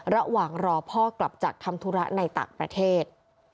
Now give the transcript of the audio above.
ระหว่างรอพ่อกลับจากทำธุระในต่างประเทศ